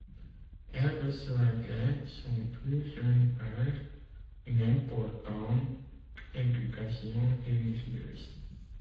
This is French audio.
Elle reçoit dès son plus jeune âge une importante éducation religieuse.